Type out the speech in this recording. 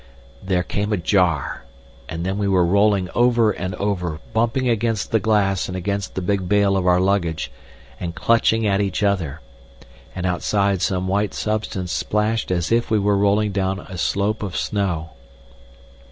There came a jar, and then we were rolling over and over, bumping against the glass and against the big bale of our luggage, and clutching at each other, and outside some white substance splashed as if we were rolling down a slope of snow....